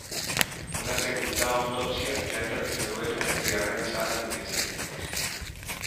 Una segunda autopsia, ya en territorio belga, sería realizada en los días siguientes.